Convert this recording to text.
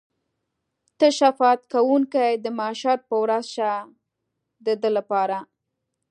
ته شفاعت کوونکی د محشر په ورځ شه د ده لپاره.